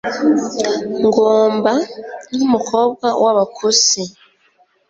ngomba, nkumukobwa wa bakusi